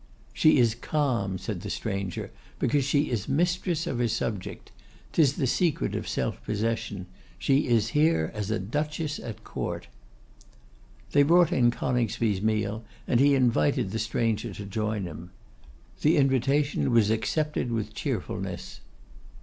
'She is calm,' said the stranger, 'because she is mistress of her subject; 'tis the secret of self possession. She is here as a duchess at court.' They brought in Coningsby's meal, and he invited the stranger to join him. The invitation was accepted with cheerfulness.